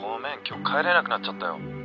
今日帰れなくなっちゃったよ。